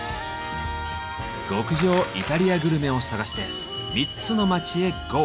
極上イタリアグルメを探して３つの街へＧＯ！